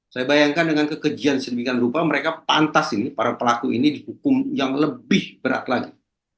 saya bayangkan dengan kekejian sedemikian rupa mereka pantas ini para pelaku ini dihukum yang lebih berat lagi